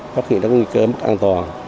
phát hiện các nguy cơ an toàn